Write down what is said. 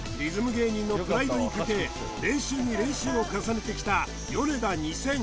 芸人のプライドにかけ練習に練習を重ねてきたヨネダ２０００